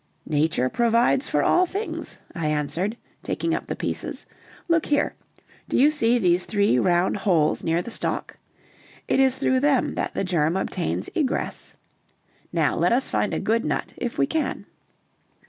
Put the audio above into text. "Nature provides for all things," I answered, taking up the pieces. "Look here, do you see these three round holes near the stalk? it is through them that the germ obtains egress. Now let us find a good nut if we can."